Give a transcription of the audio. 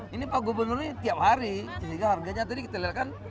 ini pak gubernur ini tiap hari sehingga harganya tadi kita lihat kan